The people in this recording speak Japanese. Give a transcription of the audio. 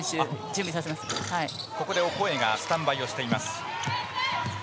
ここでオコエがスタンバイをしています。